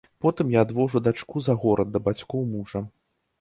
Потым я адвожу дачку за горад да бацькоў мужа.